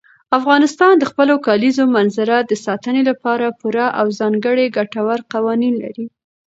افغانستان د خپلو کلیزو منظره د ساتنې لپاره پوره او ځانګړي ګټور قوانین لري.